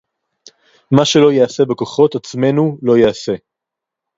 מַה שֶּׁלֹּא יֵעָשֶׂה בְּכֹחוֹת עַצְמֵנוּ — לֹא יֵעָשֶׂה.